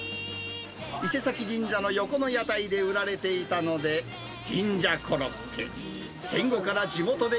伊勢崎神社の横の屋台で売られていたので、じんじゃコロッケ。